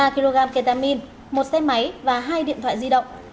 ba kg ketamin một xe máy và hai điện thoại di động